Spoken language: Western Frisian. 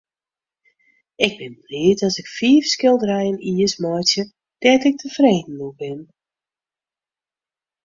Ik bin bliid as ik fiif skilderijen jiers meitsje dêr't ik tefreden oer bin.